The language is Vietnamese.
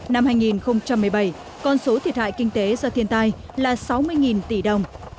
năm hai nghìn một mươi bảy con số thiệt hại kinh tế do thiên tai là sáu mươi tỷ đồng